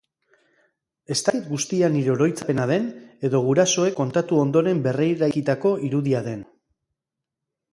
Ez dakit guztia nire oroitzapena den edo gurasoek kontatu ondoren berreraikitako irudia den.